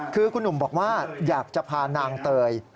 คือคุณหนุ่มบอกว่าอยากจะพานางเตย